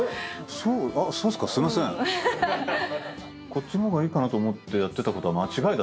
こっちの方がいいかなと思ってやってたことは間違いだった。